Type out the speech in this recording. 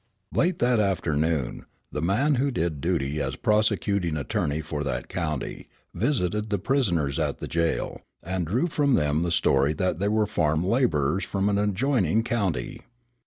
Late that afternoon, the man who did duty as prosecuting attorney for that county, visited the prisoners at the jail, and drew from them the story that they were farm laborers from an adjoining county.